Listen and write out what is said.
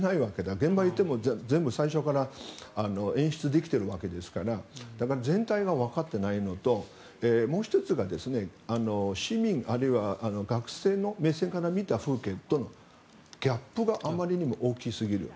現場に行っても全部最初から演出できているわけですから全体がわかっていないのともう１つが市民、あるいは学生の目線から見た風景とのギャップがあまりにも大きすぎる。